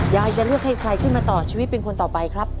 ยายจะเลือกให้ใครขึ้นมาต่อชีวิตเป็นคนต่อไปครับ